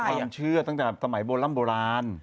มีความเชื่อตั้งแต่สมัยโบรัมโบราณ